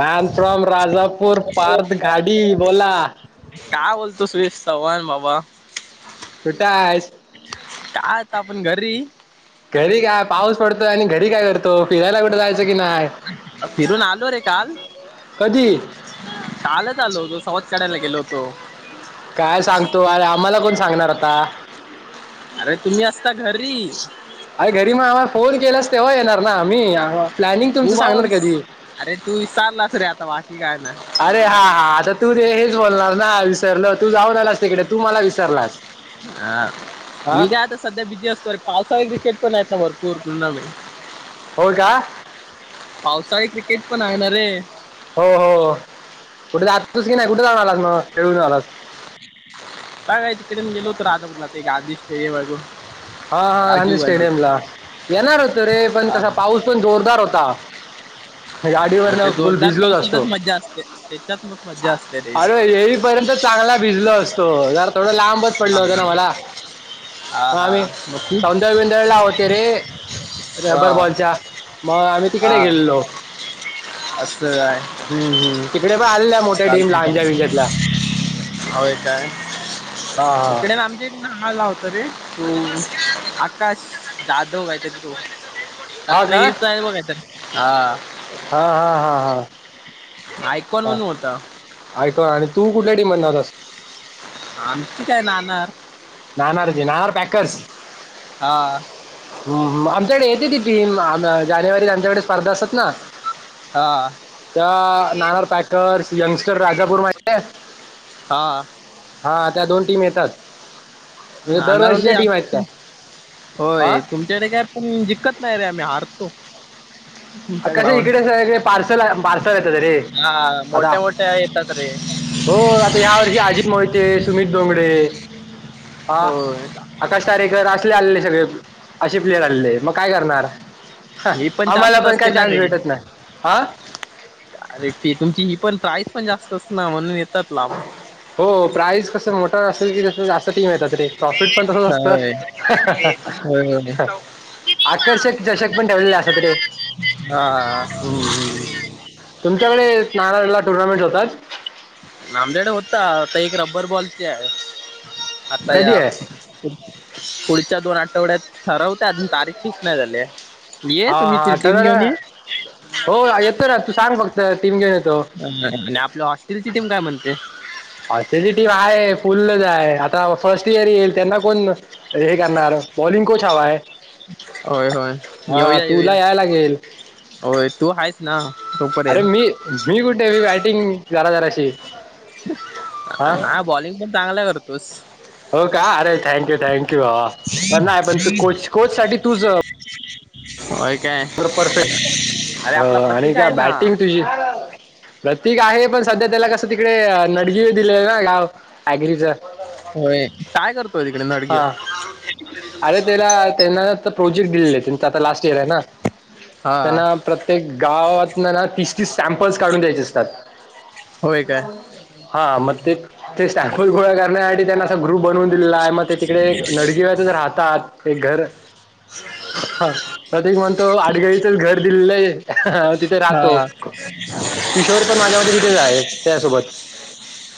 Man from Rajapur Parth Ghadi बोला. काय बोलतो सुरेश चव्हाण बाबा. कठ आहेस? काय आता आपण घरी घरी काय पाऊस पडतोय आणि घरी काय करतो फिरायला कुठं जायच? फिरून आलो रे काल कधी चालत आलो तो संवात चढायला गेलो होतो. काय सांगतो अरे आम्हाला कोण सांगणार आता अरे तुम्ही असता घरी अरे घरी मग आम्हाला फोन केलास तेव्हा येणार ना आम्ही प्लॅनिंग तुमचं उभा सांगणार होईस. कधी अरे तू विचारलास रे आता वाकी काय ना. अरे हा हा आता तू ते हेच बोलणार ना विसरलं तू जाऊन आलास तिकडे तू मला विसरलास? हा हा मी का आता सध्या बिद्यास्त ववर पासाही क्रिकेट पण आहेत ना भरपूर टुर्नामेंट हो का? पावसाळी क्रिकेट पण आहेणारे. हो हो कुठे जातातच की नाही कुठे जाणार आलास मग खेळून आलास? काय काय तिकडेन गेलोत राधा बला ते गधी स्टेडियम अगून हा हा गांधी स्टेडियम ला येणार होत रे पण हा कसा पाऊस पण जोरदार होता. [unintelligible] गाडीवर ना ते फुल जोरदार भिजलोच असतो पावसातच मज्जा असते त्याच्यात मग मज्जा असते रे अरे हे. पर्यंत चांगला भिजलो असतो जरा थोडं लांबच पडल होतं हा ना मला हा हा आम्ही मग खूप सौंदर्य बदळ ला होते रे हा रब्बर बॉलच्या मग आम्ही तिकडे गेलेलो. असलं काय? हम् हम्म तिकडे पण आलेल्या मोठ्या टीम लहानच्या चालतंय विषयातल्या होय काय हा हा इकडे आमचे हला होत रे तू आकाश जाधव गाय तरी तो हा का रत्नागिरीच आहे बघा तर हा. हा हा हा हा. ऐकॉन म्हणून होता. ऐक आणि तू कुठल्या टिम नव्हत अस. आमची काय नाणार? नना र जी नणार पॅकर्स हा हम्म आमच्याकडे येते ती टीम जानेवारीत आमच्याकडे स्पर्धा असत ना. हां हां. त्या नाणार पॅकर्स यंगस्टर राजापूरमाहिते हा हा त्या दोन टीम येतात. [unintelligible] म्हणजे दरवर्षीच्या टीम आहेत त्या होय. हा तुमच्याकडे काय पण जिक्कत नाही रे आम्ही हारतो. तुमच्या कस ग्राउंड इकडे सगळे पार्सल पार्सल येतात रे हा आता मोठ्या मोठ्या येतात रे हो आता या वर्षी अजीत मोहिते सुमित डोंगडे हा होय आकाश तारेकर असले आलेले सगळे अशे प्लेयर आलेले मग काय करणार. मी पण आम्हाला जास्त काय असतेल. चान्स भेटत नाय आ अरे फी तुमची ही पण प्राईस पण जास्त अस्ती ना म्हणून येतात लांबून. हो प्राईज कसं मोठ असेल की जास्त टीम येतात. प्रॉफिट पण तसच असतं. होय. होय होय. आकर्षक चषक पण ठेवलेलं असतात तिथे, हा हम्म हम्म. तुमच्याकडे नाऱळला टुर्नामेंट होतात. नामदेड होता आता एक रब्बर बॉलची आहे आता कधी या आहे पु पुढच्या दोन आठवड्यात ठरवत्यात तारीख फिक्स नाही झालीय. हा हा तर हो येतो ना तू सांग फक्त टीम घेऊन येतो. आणि आपल्या हॉस्टेलची टीम काय म्हणते. हॉस्टेलची टिम हाय फुल्ल हाय आता फर्स्ट इयर येईल त्यांना कोण हे करणार बॉलिंग कोच हवाय. होय होय येऊया येऊया तुला याय लागेल होय तू हायस ना अरे तोपर्यंत मी मी कुठे मी बॅटिंग जरा जराशी. हा ना बॉलिंग पण चांगलं करतोस. होका अरे थँक्यू थँक्यू भावा प नाही पण तू कोच कोच साठी तच अं [inaudible] होय काय. अरे प्रपरफेक्ट आपला हं आणि प्रतीक काय आहे ना बॅटिंग तुझी. प्रतीक आहे पण सध्या त्याला कसं तिकडे नडगि दिलय ना गाव ॲग्रीच. होय काय करतोय तिकडे नडगी हा अरे त्याला त्यांन आता प्रोजेक्ट दिलेलय त्यांचं आता लास्ट इयर आहे ना. हा त्यांना प्रत्येक गावात ना तीस तीस सॅम्पल्स काढून द्यायचे असतात. होय काय हा मग ते ते सॅम्पल गोळा करण्यासाठी त्यांना ग्रुप बनवून दिलेला आहे मग ते तिकडे नडगिंना राहतात एक घर. हा प्रतीक म्हणतो आडगळीचंच घर दिलेलंच. तिथे राहतो हा किशोर पण माझ्या [unintelligible] हाय त्यासोबत.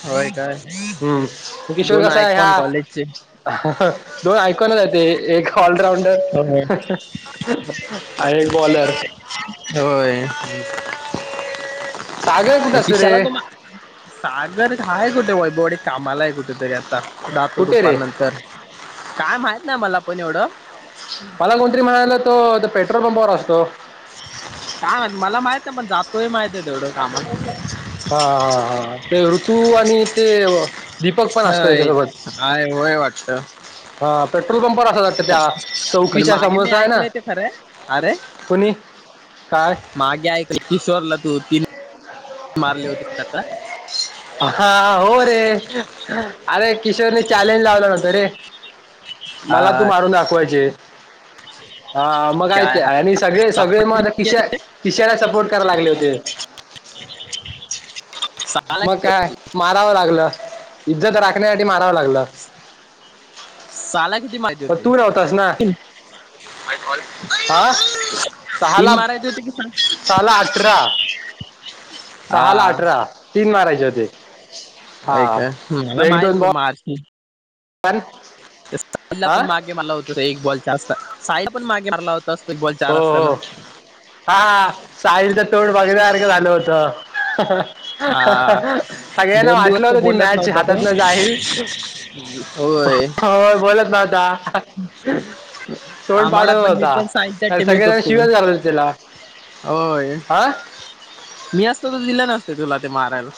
होय काय हम्म किशोर दोन कसाय हा आयकॉन कॉलेजचे दोन [unintelligible] जाते एक. ऑलराऊंडर होय हा एक बॉलर. होय हम्. किशाला तो मा सागर हाय कुठे वैभववाडी कामाला आहे कुठेेतरी आता जातो कुठे दुपार रे नंतर काय माहित नाय मला पण एवढं. मला कोणतरी म्हणालं तो तो पेट्रोल पंपावर असतो. कायमाहित मला माहित नाय पण जातोय हे माहिते तेवढं कामात हा हा हा ते ऋतू आणि ते दीपक पण असतो होय त्याच्यासोबत. हाय वय वाटत. हा पेट्रोल पंपावर असतात त्या पण चौकीच्या मागे मी समोरचा आहे ना. ऐकलंय ते खरंय अरे कोणी का. मागे ऐक किशोरला तू तीन मारले होते. हा हो रे अरे किशोरने चॅलेंज लावला होतो रे. मला तू अं, मारून दाखवायचे हा. मग आहे चार ते आणि सगळे सगळे मग आता किश्या किश्याला सपोर्ट करायला लागले होते. [inaudible] सहाला मग किती काय मारावं लागलं. इज्जत राखण्यासाठी मारावं लागलं. साला किती माहिती पण होती. तू नव्हतास आ सहा लाख होते की सहा? सहा अठरा. सहा ला अठरा तीन मारायचे होते. य आहे हा काय मला एक माहती दोन होते बॉल मारती. हा पण मागे म्हणलं होत. एक बॉल जास्त साय पण मागे मारला होता. [unintelligible] हो हो हा साहिलच तोंड बघल्यासारखं झालं होत. हा सगळ्यांना दोन दिवस वाटलं तो होत ती बोलत मॅच नव्हता तो हातात न जाईल. होय हो बोलत नव्हता. तोंड आम्हाला पाडत पण मी पण साईडच्या होता टीम सगळे येत जण होतो शिवय झाल होते त्याला होय हा. मी असतो त दिला नसत तुला ते मारायला.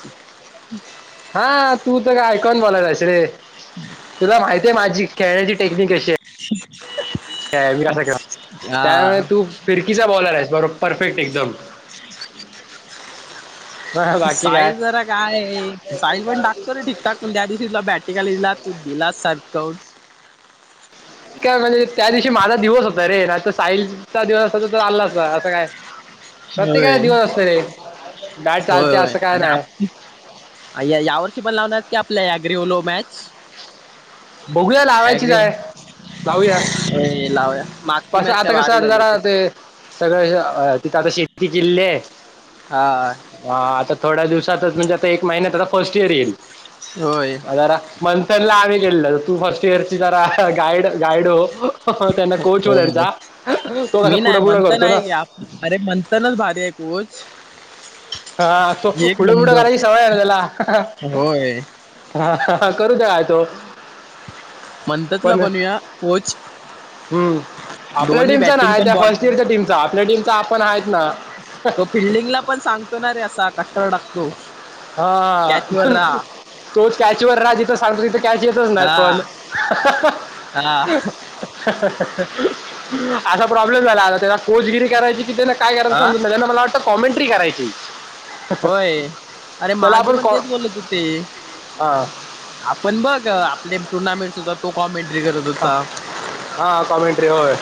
हा तू तर का ऐकॉून बोलायलायस रे. हम् [inaudible] तुला माहतीय माझी खेळण्याची टेक्निक अशी आहे. ह [inaudible] मी कसा ख त्यामुळे हा तू फिरकीचा बॉलर आहेस बरोबर परफेक्ट एकदम. बाकी काय साईल जरा काय साईल पण टाक,. ठिकठकण द दिवशी तुला बॅटरी काढ दिला तू दिलास सर् करून. काय म्हणजे त्या दिवशी माझा दिवस होता रे ना तर साईल चा दिवस असता त तर चाला असता असं काय. प्रत्येकाला होय दिवस असत रे गाट होय चालते होय असं काय आता नाही. आप या वर्षी पण लावणार की आपल्या या ग्रओलो मॅच. बघूया लावायची ॲग्रीओल आहे. जाऊया हे लावूया मागची पासं मॅच आता काय कसं आ भारी झाली जरा होती ते. सगळं तिथे आता शेती जिल्हे आहे. हा.. हा आता थोड्या दिवसातच म्हणजे आता एक महिन्यात आता फर्स्ट इयर येईल. होय. जरा मंथन ला आम्ही केलेलं तर तू फर्स्ट इयर जरा गाईड गाईड हो. त्यांना कोच हो होय त्यांचा तो कसा मी पुढा नाही पुुढा मंथन करतो ना. आहे की आप- अरे मंंतनच भारी आहे कू. हा तो पुढे पुुढं करायची सवय आहे त्याला. होय हा करू द्या काय तो. मंथनला बनूया कोच. हम आपल्या दोन्ही टीमचा ना बॅटिंग आहे पण त्या फर्स्ट बॉलिंग इयरच्या टीमचा आपल्या टीमचा आपण आहेत ना. तो फिल्डिंगला पण सांगतो ना रे असा कट्टर टाकतो. हा तो कॅचवर राहा तो कॅचवर राज तो सांगतो तिथं कॅच येतच नाय हा पण हा असा प्रॉब्लेम झाला आता त्याला कोचगिरी करायची की त्यांना काय करायला हा सांगू तुला त्यानं मला वाटतं कॉमेंट्री करायची. होय आणि मागे पण तेच बोलत होते. हा आपण बघ आपले टुर्नामेंट होता तो कॉमेंट्री करत होता. हा कॉमेंट्री होय.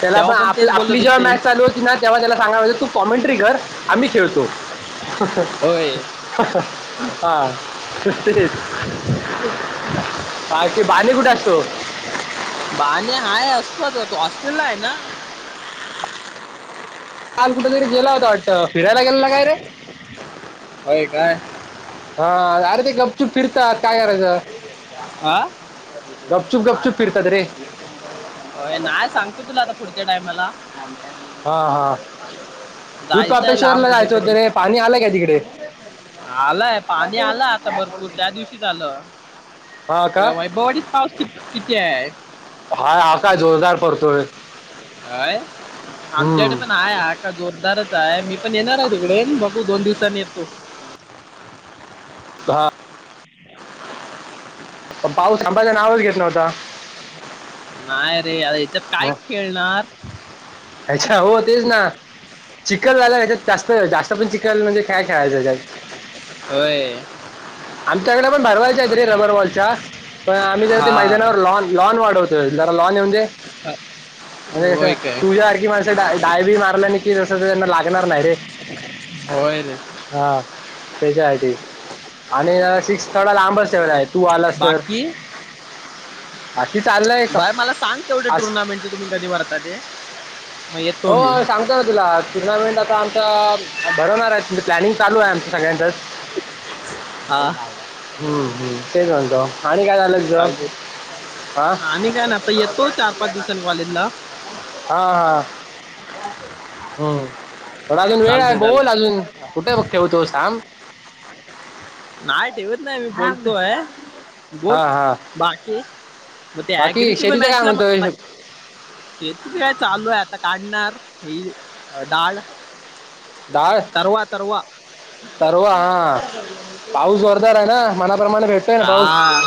त्याला तेव्हा पण आपल तेच बोलत आपली जेव्हा होते मॅच चालू होती ना तेव्हा त्याला सांगायला पाहजे होत तू कॉमेंट्री कर आम्ही खेळतो. होय हा -हे [unintelligible] तो कुठ असतो. माने हाय असतो आता तो ऑस्ट्रेल ला हाय ना काल कुठतरी गेला होता वाटंत फिरायला गेलेला काय रे व्हय का हा अरे ते गपचूप फिरतात काय करायचं. हा गपचुप गपचुप फिरतात रे. होय नाय सांगतो तुला आता पुढच्या टाइमाला हा हा जायचंय दुधपापेश्वर लांब ला जायचं होतं कुठेतरी रे पाणी आलंय काय तिकडे? आलाय पाणी आलाय आता भरपूर त्या दिव झालं यां वैभव वाडीत पाऊस कि हाय हा काय जोरदार पडतोय. काय आमच्याइकडे हम्म पण हाय हा का जोरदारच हाय मी पण येणार हाय तिकडे बघू दोन दिवसांनी येतो. हा पण पाऊस थांबाचा नावाच घेत नव्हता. नाही रे आता याच्यात काय खेळणार. अच्छा हो तेच ना चिकखल झाला ह्याच्यात जास्त जास्त पण चखल म्हणजे काय खेळायच ह्याच्यात होय. आमच्याकड पण भरवायच्या आहेत रे रबर वॉलच्या पण आम्ही जरा ते हा मैदानावर लोन लोन वाढवतो जरा लॉन येऊदे [unintelligible] म्हणजे कसं काय तुझ्या साणखी माणसं डा डाय बीय मारला नी की जसं त्यांना लागणार नाय रे होय रे हा तेज्या साठी आणि सिक्स थोडा लांब ठेवलाय तू आलास तर बाकी बाकी चाललय बाय मला सांग तेवढ टुर्नामेंटचं तुम्ही कधी भरता ते मग येतो मी होय सांग गतो तुला टुर्नामेंट आता आमचा भरवणार आहेत प्लॅनिंग चालू आहे आमच सगळ्यांच. [unintelligible] हा हम्म हम्म तेच म्हणतो आणि काय झालं तुझ? चालते हा आणि काय ना आता येतो चार पाच दिवसांनी कॉलेजला हा हा. हम्म पण अजून वेळ आहे चालतंय बोल चालतंय अजून कुठे बघतेस [unintelligible] थांब. नाही ठेवत नाही मी फोन तोय बोल हा हा बाकी म ते बाकी ॲग्रीची पण शेतीचं काय मॅचला म्हणतोय मॅ ते तर काय चालू आहे आता काढणार ही दाढ दाढ परवा हा. पाऊस जोरदार आहे ना मनाप्रमाणे भेटतोय ना पाऊस? हा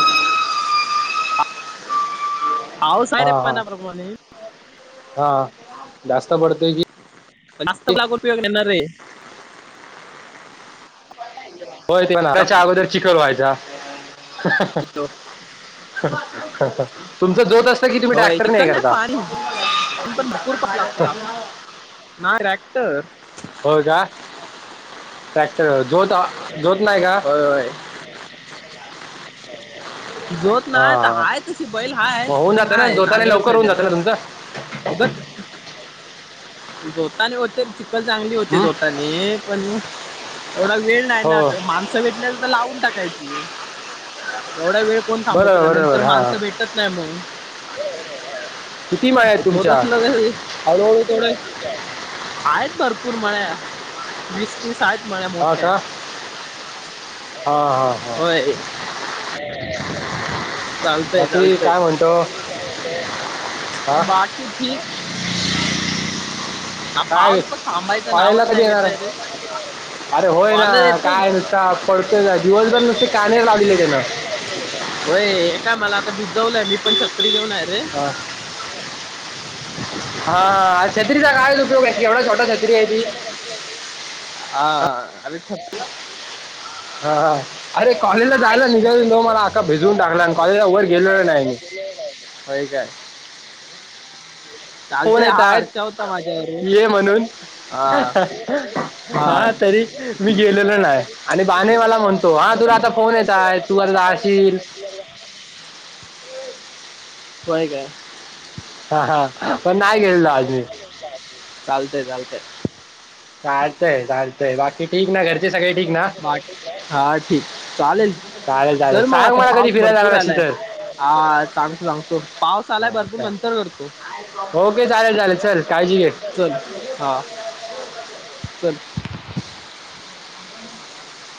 पाऊस हाय रे हा हा मनाप्रमाणे हा जास्त पडतोय की जास्त [unintelligible] उपयोग नाही ना रे हो ते त्याच्या अगोदर चिखल व्हायचा हॅलो. तुमच जोत असत कि तुम्ही होय ट्रॅक्टर ने हे चिकन नाही करता पाणी [unintelligible] लागतोय आ ना ट्रॅक्टर होय का ट्रॅक्टर जोता होय होय. जोत हा नाही हा हाय तशी बैल हाय मग होऊन पण जातं ना नाही जोताने नांगरत लवकर नाही होऊन जातं ना तुमचं त्यांना उगत जोताने होते चिकल चांगली होते हं? जोताने म हे पण एवढा वेळ नाही हो ना ते माण णसं भेटल्याच तर लावून टाकायची एवढा वेळ कोण थांबत बरोबर राहणार नंतर बरोबर हां माणसं भेटत नाही मग किती माळ आहेत म जोत तुमच्या असलागे हळूहळू थोडे आहेत भरपूर मळ्या वीस तीस आहेत मळ्या हा मोठ्या का हा हा हा होय. चालतय बाकी चालतय काय म्हणतो हा बाकी हा काय पावस पण थांबायचं कॉलेजला नावच कधी नाही येणार घेतय आहे? रे अरे होय ना कॉलर येतो काय नुसता पडतोय ना दिवसभर नुसते कानेर लावलेले हाय त्यानं व्हय हे काय मला आता भिजवलंय मी पण छत्री घेऊन आहे रे. हा. हा छत्रीचा कायच उपयोग आहे केवढा छोटा छत्री आहे ती हा अबे छ हा अरे कॉलेजला जायला निघालेलो मला आख्खा भिजवून टाकला आणि कॉलेजला वर गेलेलो नाही मी. व्हय काय. फोन चालतय येत हा हर्षा आहेत होता माझ्याबरोबर ये रे म्हणून हा हा. मी गेलेलो नाही आणि बाने मला म्हणतो हा तुला आता फोन येताहेत तू आता जाशील. होय काय. हा हा पण नाही गेलेलो आज मी. चालतय चालतय. चालतंय चालतय बाकी. ठीक ना घरचे सगळे ठीक ना बा हा ठीक चालेल. चालेल चालेल चल मग सांग आता मला कधी पाऊस फिरायला भरपूर जाणार असेल आलाय. तर हा सांगतो सांगतो पाऊस आलाय हा, भरपूर चा- नंतर करतो. ओके चालेल चालेल चल काळजी घे. चल हा चल ह